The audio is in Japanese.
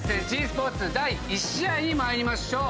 ｇスポーツ第１試合に参りましょう。